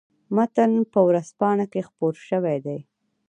متن په ورځپاڼه کې خپور شوی دی.